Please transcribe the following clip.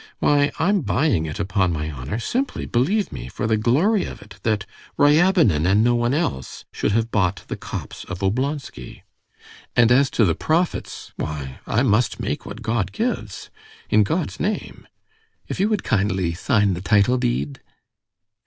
Why, I'm buying it, upon my honor, simply, believe me, for the glory of it, that Ryabinin, and no one else, should have bought the copse of Oblonsky. And as to the profits, why, I must make what God gives. In God's name. If you would kindly sign the title deed...."